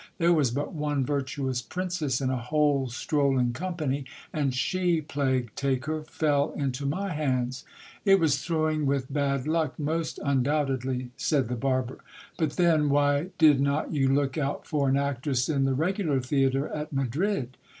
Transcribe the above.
There was but one virtuous princess in a whole strolling company, and she, plague take her ! fell into my hands. It was throwing with bad luck most undoubtedly, said the barber. But then, why did not you look out for an actress in the regular theatre at Madrid